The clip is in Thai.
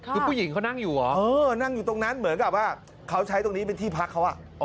คือผู้หญิงเขานั่งอยู่เหรอนั่งอยู่ตรงนั้นเหมือนกับว่าเขาใช้ตรงนี้เป็นที่พักเขา